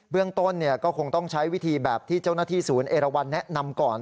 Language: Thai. เรื่องต้นก็คงต้องใช้วิธีแบบที่เจ้าหน้าที่ศูนย์เอราวันแนะนำก่อน